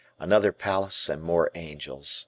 Another palace and more angels.